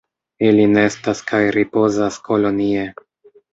Ili nestas kaj ripozas kolonie.